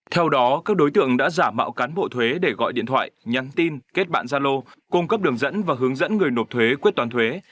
theo đó các đối tượng đã giả mạo cán bộ thuế để gọi điện thoại nhắn tin kết bạn gia lô cung cấp đường dẫn và hướng dẫn người nộp thuế quyết toán thuế